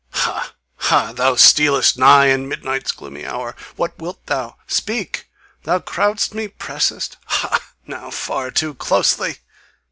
Ha! Ha! Thou stealest nigh In midnight's gloomy hour?... What wilt thou? Speak! Thou crowdst me, pressest Ha! now far too closely!